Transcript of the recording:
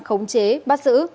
khống chế bắt giữ